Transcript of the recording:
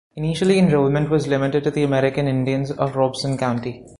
Initially enrollment was limited to the American Indians of Robeson County.